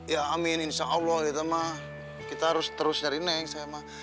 ya amin insya allah ya teh mah kita harus terus nyari neng saya mah